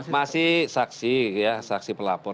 masih saksi ya saksi pelapor